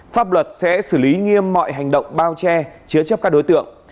pháp luật sẽ xử lý nghiêm mọi hành động bao che chứa chấp các đối tượng